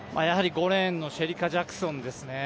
５レーンのシェリカ・ジャクソンですね。